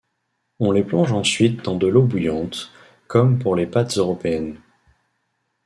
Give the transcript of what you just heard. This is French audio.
On les plonge ensuite dans de l'eau bouillante, comme pour les pâtes européennes.